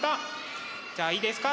じゃあいいですか。